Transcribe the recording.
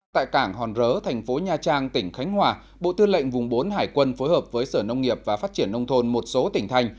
tại cảng hòn rớ thành phố nha trang tỉnh khánh hòa bộ tư lệnh vùng bốn hải quân phối hợp với sở nông nghiệp và phát triển nông thôn một số tỉnh thành